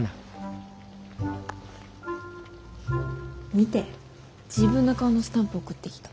見て自分の顔のスタンプ送ってきた。